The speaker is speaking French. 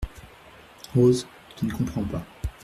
Rose , qui ne comprend pas.